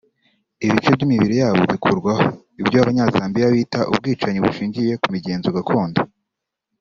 ibice by’imibiri yabo bikurwaho ibyo abanyazambiya bita ubwicanyi bushingiye ku migenzo gakondo